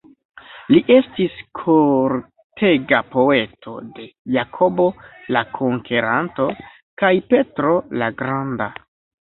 Li estis kortega poeto de Jakobo "la Konkeranto" kaj Petro "la Granda".